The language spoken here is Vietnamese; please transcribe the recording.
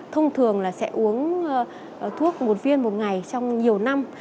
thông thường là sẽ uống thuốc một viên một ngày trong nhiều năm